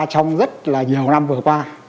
trong rất là nhiều năm vừa qua